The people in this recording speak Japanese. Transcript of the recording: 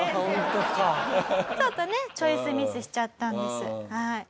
ちょっとねチョイスミスしちゃったんです。